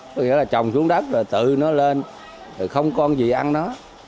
có nghĩa là trồng xuống đất rồi tự nó lên rồi không con gì ăn nó